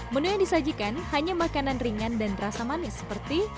menu yang disajikan hanya makanan ringan dan rasa manis seperti